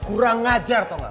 kurang ngajar tau gak